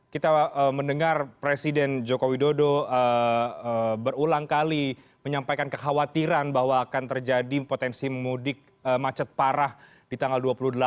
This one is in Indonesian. kita mendengar presiden joko widodo berulang kali menyampaikan kekhawatiran bahwa akan terjadi potensi mudik macet parah di tanggal dua puluh delapan